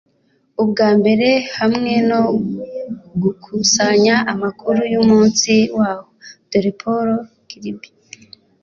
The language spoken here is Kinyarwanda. Ubwa mbere, hamwe no gukusanya amakuru yumunsi waho, dore Paul Kirby